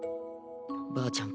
ばあちゃん